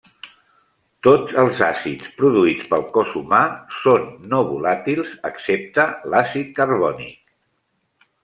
Tots els àcids produïts pel cos humà són no volàtils excepte l'àcid carbònic.